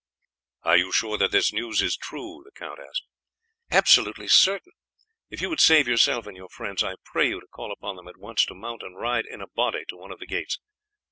"Are you sure that this news is true?" the count asked. "Absolutely certain. If you would save yourself and your friends I pray you to call upon them at once to mount and ride in a body to one of the gates.